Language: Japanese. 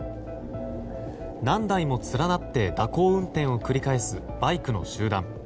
何台も連なって蛇行運転を繰り返すバイクの集団。